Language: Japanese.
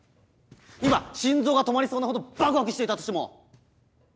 今心臓が止まりそうなほどバクバクしていたとしても！